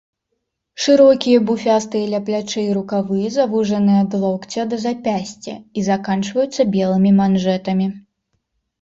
Шырокія буфястыя ля плячэй рукавы завужаны ад локця да запясця і заканчваюцца белымі манжэтамі.